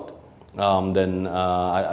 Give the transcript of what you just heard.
dan resilient terhadap perubahan perubahan lain